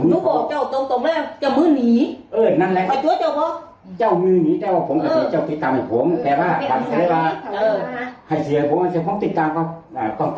อันนี้ฉันที่ให้ความมาได้จาก๔แสนบาทนี่